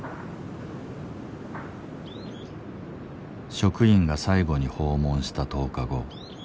職員が最後に訪問した１０日後。